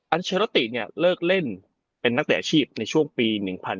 อัลเชฬติเลิกเล่นเป็นนักศึกษาอาชีพในช่วงปี๑๙๙๒